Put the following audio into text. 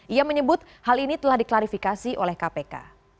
ia menyebut hal ini telah diklarifikasi oleh kpk